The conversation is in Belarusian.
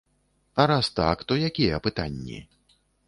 А раз так, то якія пытанні?